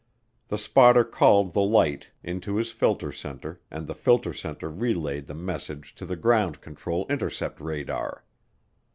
The spotter called the light into his filter center and the filter center relayed the message to the ground control intercept radar.